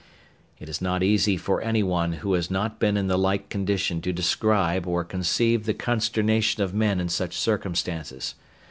It is not easy for any one who has not been in the like condition to describe or conceive the consternation of men in such circumstances.